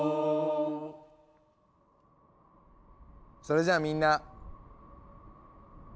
それじゃあみんな。